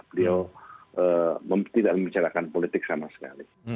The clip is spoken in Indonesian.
beliau tidak membicarakan politik sama sekali